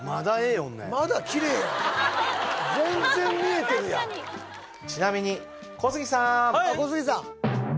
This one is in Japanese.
まだキレイや全然見えてるやんちなみに小杉さーん小杉さん